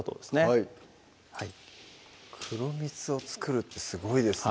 はい黒蜜を作るってすごいですね